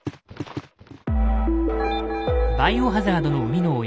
「バイオハザード」の生みの親